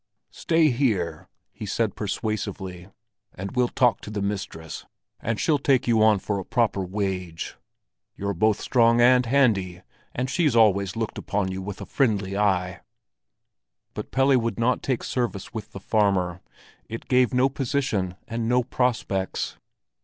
"Stay here!" he said persuasively, "and we'll talk to the mistress and she'll take you on for a proper wage. You're both strong and handy, and she's always looked upon you with a friendly eye." But Pelle would not take service with the farmer; it gave no position and no prospects.